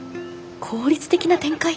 効率的な展開。